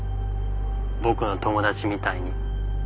僕の友達みたいに。